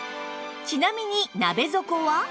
ちなみに鍋底は？